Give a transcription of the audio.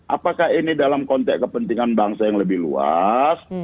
apakah ini dalam konteks kepentingan bangsa yang lebih luas